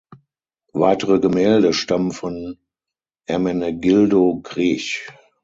Weitere Gemälde stammen von Ermenegildo Grech.